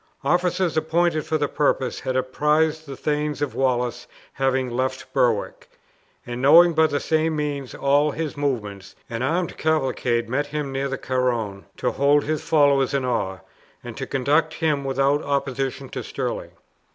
Officers appointed for the purpose had apprised the thanes of Wallace having left Berwick; and knowing by the same means all his movements, an armed cavalcade met him near the Carron, to hold his followers in awe, and to conduct him without opposition to Stirling.